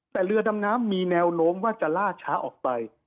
แต่เรือดำน้ำมีแนวโน้มว่าจะล่าช้าออกไป